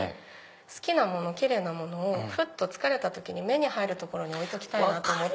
好きなもの奇麗なものをふっと疲れた時に目に入る所に置いときたいなと思って。